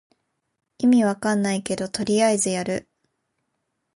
意味わかんないけどとりあえずやる